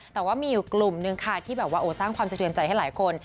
แต่ว่ามีอยู่กลุ่มนึงค่ะที่แบบว่าสร้างความสะเทือนใจให้หลายคน